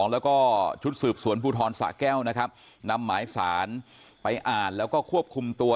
และชุดสืบสวนภูทรศะแก้วนำหมายสารไปอ่านและควบคุมตัว